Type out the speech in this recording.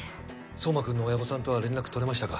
壮磨君の親御さんとは連絡取れましたか？